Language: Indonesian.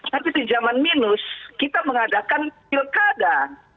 tapi di zaman minus kita mengadakan pilkada